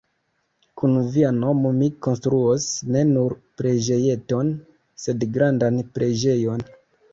Kun via mono mi konstruos ne nur preĝejeton, sed grandan preĝejon.